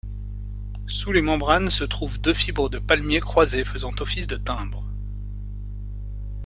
Sous les membranes se trouvent deux fibres de palmiers croisées faisant office de timbre.